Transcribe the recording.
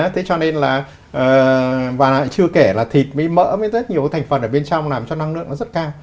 thế cho nên là và chưa kể là thịt với mỡ với rất nhiều thành phần ở bên trong làm cho năng lượng nó rất cao